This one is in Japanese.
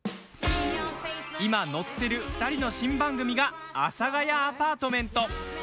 今、乗ってる２人の新番組が「阿佐ヶ谷アパートメント」。